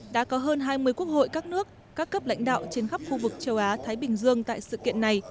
đã có hơn hai mươi quốc hội các nước các cấp lãnh đạo trên khắp khu vực châu á thái bình dương tại sự kiện này